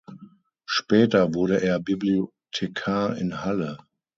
Später wurde er Bibliothekar in Halle.